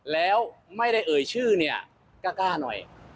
แล้วไม่ได้เอ่ยชื่อเนี่ยกล้าหน่อย